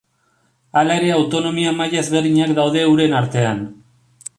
Hala ere autonomia maila ezberdinak daude euren artean.